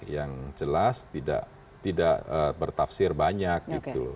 yang jelas tidak bertafsir banyak gitu